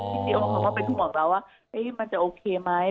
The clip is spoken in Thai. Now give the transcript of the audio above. ที่เค้าห่วงเราว่ามันโอเคไหม